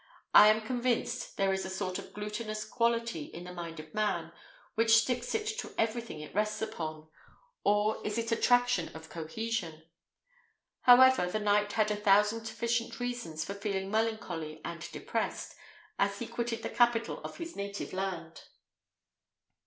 I am convinced there is a sort of glutinous quality in the mind of man, which sticks it to everything it rests upon; or is it attraction of cohesion? However, the knight had a thousand sufficient reasons for feeling melancholy and depressed, as he quitted the capital of his native land.